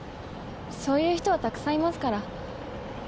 そういう人はたくさんいますから。